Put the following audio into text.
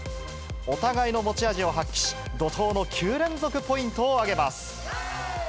お互いの持ち味を発揮し、怒とうの９連続ポイントを上げます。